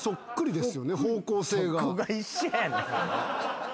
どこが一緒やねん。